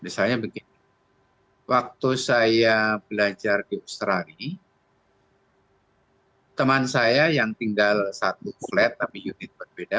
misalnya begini waktu saya belajar di australia teman saya yang tinggal satu flat tapi unit berbeda